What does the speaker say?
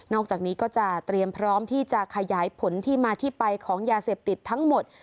อกจากนี้ก็จะเตรียมพร้อมที่จะขยายผลที่มาที่ไปของยาเสพติดทั้งหมด